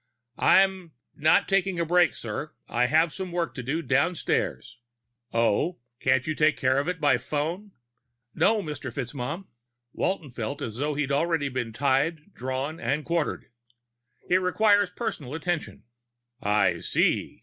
"I'm not taking a break, sir. I have some work to do downstairs." "Oh? Can't you take care of it by phone?" "No, Mr. FitzMaugham." Walton felt as though he'd already been tried, drawn, and quartered. "It requires personal attention." "I see."